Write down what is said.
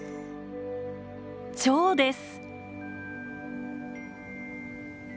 チョウです。